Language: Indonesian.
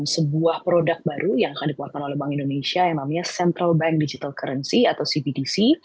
sebuah produk baru yang akan dikeluarkan oleh bank indonesia yang namanya central bank digital currency atau cbdc